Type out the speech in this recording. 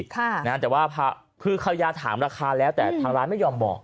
แต่ว่าคือเขาอยากถามราคาแล้วแต่ทางร้านไม่ยอมบอก